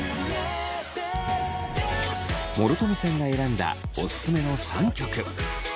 諸富さんが選んだオススメの３曲。